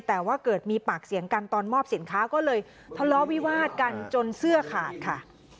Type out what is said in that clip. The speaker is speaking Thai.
แต่ว่าเกิดมีปากเสียงกันตอนมอบสินค้าก็เลยทะเลาะวิวาดกันจนเสื้อขาดค่ะ